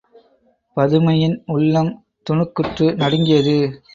பதுமையின் உள்ளம் துணுக்குற்று நடுங்கியது.